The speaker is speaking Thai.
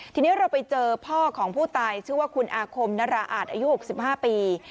ทีนี้เราไปเจอพ่อของผู้ตายชื่อว่าคุณอาคมนราอาจอายุ๖๕ปี